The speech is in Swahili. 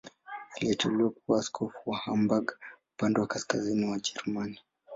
Aliteuliwa kuwa askofu wa Hamburg, upande wa kaskazini wa Ujerumani.